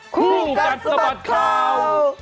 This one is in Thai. คู่กัดสะบัดข่าว